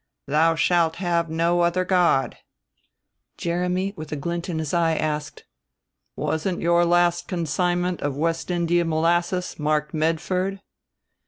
"'Thou shalt have no other God '" Jeremy, with a glint in his eye, asked, "Wasn't your last consignment of West India molasses marked Medford?"